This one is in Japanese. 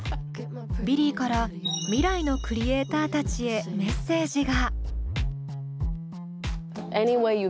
ビリーから未来のクリエイターたちへメッセージが。